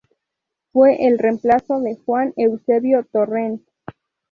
Fue el reemplazo de Juan Eusebio Torrent.